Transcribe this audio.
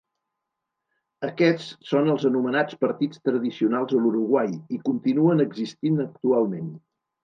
Aquests són els anomenats partits tradicionals a l'Uruguai, i continuen existint actualment.